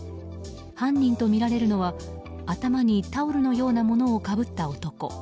犯人とみられるのは頭にタオルのようなものをかぶった男。